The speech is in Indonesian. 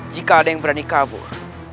jika ada yang berani kabur